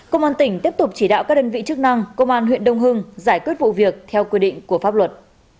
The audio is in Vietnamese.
công an tỉnh tiếp tục chỉ đạo các đơn vị chức năng công an huyện đông hưng giải quyết vụ việc theo quy định của pháp luật